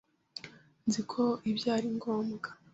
Nzi ko ibyo ari ngombwa.